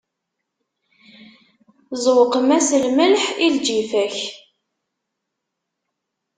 Ẓewqem-as lemleḥ, i lǧifa-k!